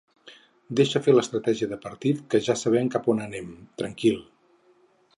Deixa fer l’estratègia de partit que ja sabem cap on anem, tranquil.